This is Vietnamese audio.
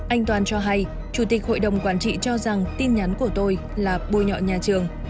anh toàn cho hay chủ tịch hội đồng quản trị cho rằng tin nhắn của tôi là bôi nhọ nhà trường